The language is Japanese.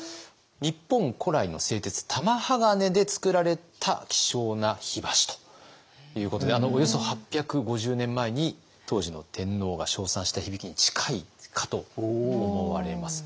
日本古来の製鉄玉鋼でつくられた希少な火箸ということでおよそ８５０年前に当時の天皇が称賛した響きに近いかと思われます。